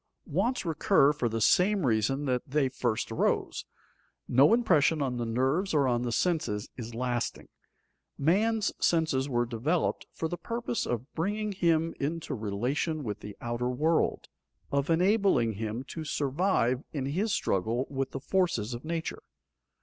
Wants recur for the same reason that they first arose. No impression on the nerves or on the senses is lasting. Man's senses were developed for the purpose of bringing him into relation with the outer world, of enabling him to survive in his struggle with the forces of nature.